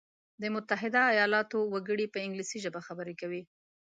د متحده ایلاتو وګړي په انګلیسي ژبه خبري کوي.